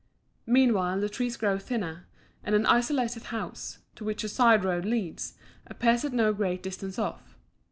Meantime the trees grow thinner, and an isolated house, to which a side road leads, appears at no great distance off.